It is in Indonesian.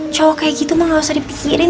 cowok kayak gitu mah gak usah dipikirin